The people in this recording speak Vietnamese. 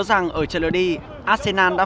rằng ở chân lưới đi arsenal đã